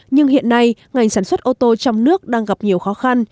nhưng hiện nay ngành sản xuất ô tô trong nước đang gặp nhiều khó khăn